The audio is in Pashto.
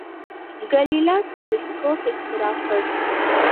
ګالیله تلسکوپ اختراع کړ.